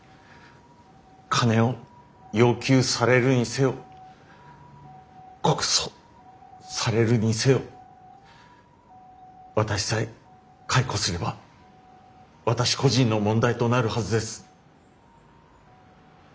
金を要求されるにせよ告訴されるにせよ私さえ解雇すれば私個人の問題となるはずです。